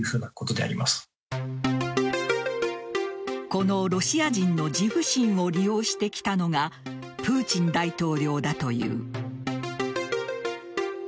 このロシア人の自負心を利用してきたのがプーチン大統領だという。